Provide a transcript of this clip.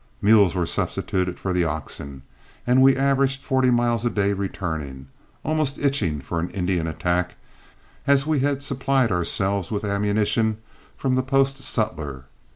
Mules were substituted for the oxen, and we averaged forty miles a day returning, almost itching for an Indian attack, as we had supplied ourselves with ammunition from the post sutler.